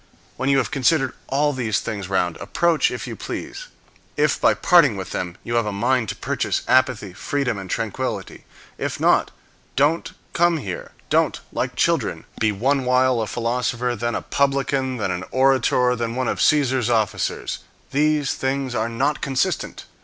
When you have considered all these things round, approach, if you please; if, by parting with them, you have a mind to purchase equanimity, freedom, and tranquillity. If not, don't come here; don't, like children, be one while a philosopher, then a publican, then an orator, and then one of Caesar's officers. These things are not consistent.